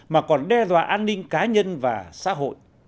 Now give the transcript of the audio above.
mà còn đe dọa an ninh cá nhân và xã hội